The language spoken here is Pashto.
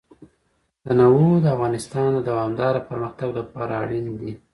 تنوع د افغانستان د دوامداره پرمختګ لپاره اړین دي.